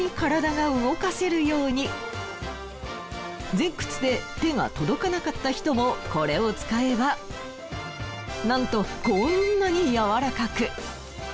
前屈で手が届かなかった人もこれを使えばなんとこんなに柔らかく！